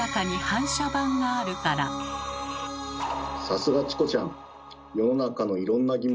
さすがチコちゃん！